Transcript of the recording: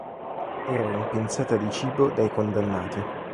Era rimpinzata di cibo dai condannati.